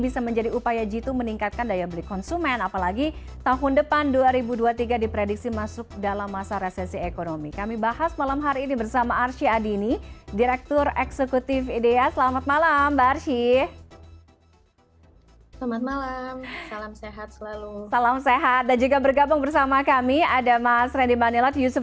selamat malam mbak tiffany